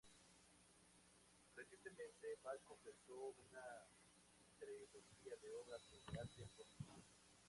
Recientemente, Bal completó una trilogía de obras sobre arte político.